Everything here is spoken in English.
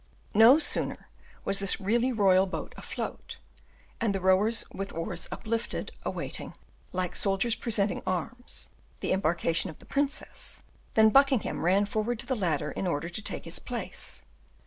No sooner was this really royal boat afloat, and the rowers with oars uplifted, awaiting, like soldiers presenting arms, the embarkation of the princess, than Buckingham ran forward to the ladder in order to take his place.